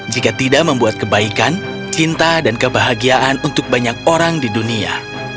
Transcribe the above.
jika tidak membuat kebaikan cinta dan kebahagiaan untuk banyak orang di dunia